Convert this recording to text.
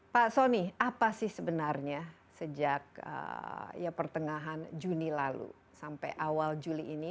pak soni apa sih sebenarnya sejak ya pertengahan juni lalu sampai awal juli ini